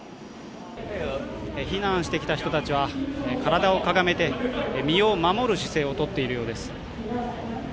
避難してきた人たちは体をかがめて身を守る姿勢をとっているようです。